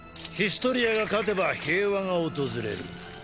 ヒストリアが勝てば平和が訪れる。